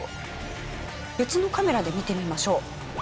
別のカメラで見てみましょう。